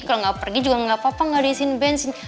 kalau gak pergi juga gak apa apa gak diisiin bensin